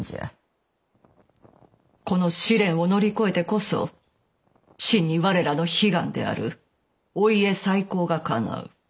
この試練を乗り越えてこそ真に我らの悲願であるお家再興がかなう。